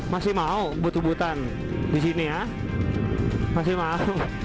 masih mau but butan di sini ya masih mau